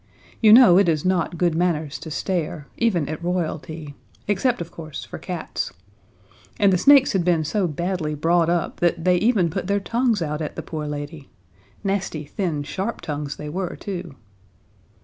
You know it is not good manners to stare, even at Royalty, except of course for cats. And the snakes had been so badly brought up that they even put their tongues out at the poor lady. Nasty, thin, sharp tongues they were too.